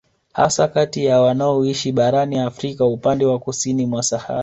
Hasa kati ya wanaoishi barani Afrika upande wa kusini kwa Sahara